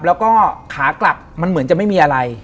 แล้วก็ขากลับมันเหมือนจะไม่มีอะไร